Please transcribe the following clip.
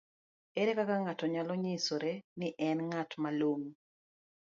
ere kaka ng'ato nyalo nyisore ni en ng'at malong'o?